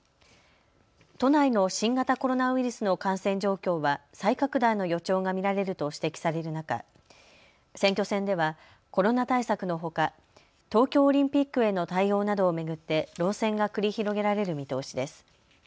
都内の新型コロナウイルスの感染状況は再拡大の予兆が見られると指摘される中、選挙戦ではコロナ対策のほか東京オリンピックへの対応などを巡って論戦が繰り広げられる見通しです。